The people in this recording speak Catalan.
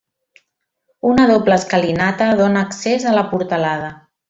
Una doble escalinata dóna accés a la portalada.